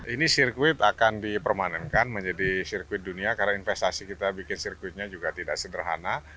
ini sirkuit akan dipermanenkan menjadi sirkuit dunia karena investasi kita bikin sirkuitnya juga tidak sederhana